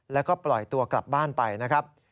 แล้วก็ปล่อยตัวกลับบ้านไปนะครับ